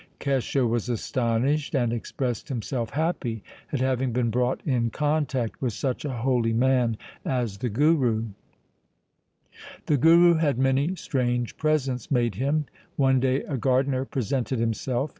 Kesho was astonished and 64 THE SIKH RELIGION expressed himself happy at having been brought in contact with such a holy man as the Guru. The Guru had many strange presents made him. One day a gardener presented himself.